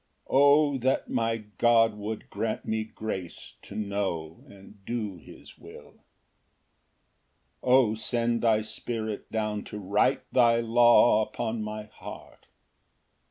O that my God would grant me grace To know and do his will! Ver. 29. 2 O send thy Spirit down to write Thy law upon my heart!